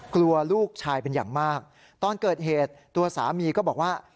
กลัวลูกชายเป็นอย่างมากตอนเกิดเหตุตัวสามีก็บอกว่า